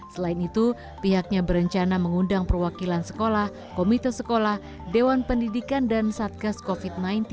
selain itu pihaknya berencana mengundang perwakilan sekolah komite sekolah dewan pendidikan dan satgas covid sembilan belas